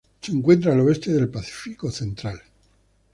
Se encuentran al oeste del Pacífico central.